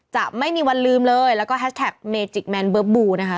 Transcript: จะไม่มีวันลืมเลยแล้วก็แฮชแท็กเมจิกแมนเบิร์บบูนะคะ